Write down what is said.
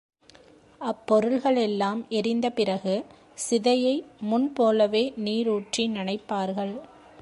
அப்பொருள்களெல்லாம் எரிந்த பிறகு, சிதையை முன் போலவே நீர் ஊற்றி நனைப்பார்கள்.